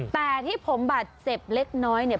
แต่ที่ผมบาดเจ็บเล็กน้อยเนี่ย